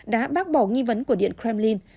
đã bác bỏ nghi vấn của điện kremlin